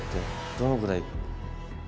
どのぐらい。